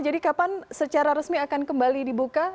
jadi kapan secara resmi akan kembali dibuka